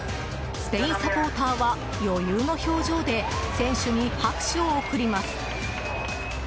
スペインサポーターは余裕の表情で選手に拍手を送ります。